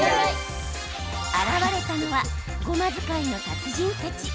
現れたのはごま使いの達人たち。